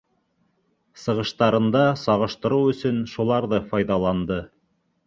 Сығыштарында сағыштырыу өсөн шуларҙы файҙаланды.